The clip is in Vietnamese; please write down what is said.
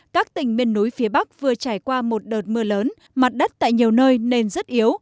các tỉnh miền núi phía bắc vừa trải qua một đợt mưa lớn mặt đất tại nhiều nơi nên rất yếu